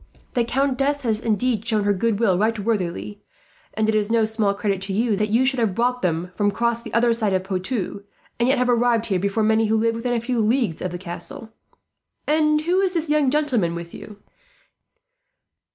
The countess has indeed shown her goodwill right worthily, and it is no small credit to you that you should have brought them across from the other side of Poitou, and yet have arrived here before many who live within a few leagues of the castle. "And who is this young gentleman with you?"